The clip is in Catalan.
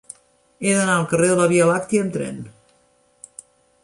He d'anar al carrer de la Via Làctia amb tren.